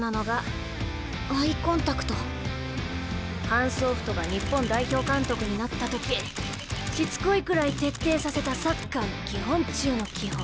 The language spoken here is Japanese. ハンス・オフトが日本代表監督になった時しつこいくらい徹底させたサッカーの基本中の基本。